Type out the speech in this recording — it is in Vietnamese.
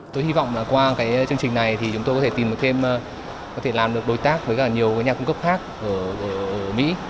tôi hy vọng qua chương trình này chúng tôi có thể tìm thêm có thể làm được đối tác với nhiều nhà cung cấp khác ở mỹ